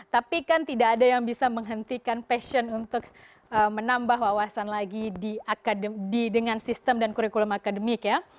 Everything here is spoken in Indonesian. tapi kan tidak ada yang bisa menghentikan passion untuk menambah wawasan lagi dengan sistem dan kurikulum akademik ya